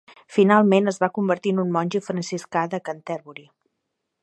Finalment es va convertir en un monjo franciscà de Canterbury.